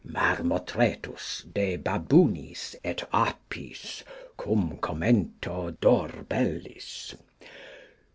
Marmotretus de baboonis et apis, cum Commento Dorbellis.